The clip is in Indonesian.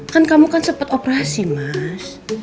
kan kamu kan sempat operasi mas